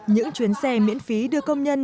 những chuyến xe miễn phí đưa công nhân